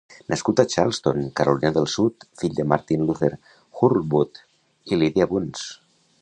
Nascut a Charleston, Carolina del Sud, fill de Martin Luther Hurlbut i Lydia Bunce.